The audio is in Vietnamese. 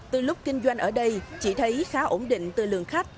từ lúc kinh doanh ở đây chị thấy khá ổn định từ lượng khách